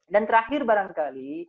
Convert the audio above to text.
dan terakhir barangkali